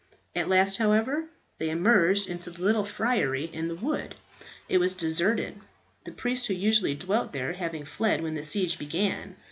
At last, however, they emerged into the little friary in the wood. It was deserted, the priest who usually dwelt there having fled when the siege began.